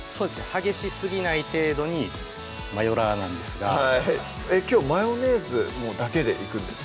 激しすぎない程度にマヨラーなんですがきょうマヨネーズだけでいくんですか？